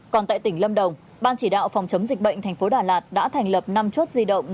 còn tại tỉnh lâm đồng ban chỉ đạo phòng chống dịch bệnh thành phố đà lạt đã thành lập năm chốt di động